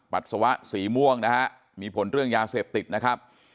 ปัสสาวะสีม่วงนะฮะมีผลเรื่องยาเสพติดนะครับ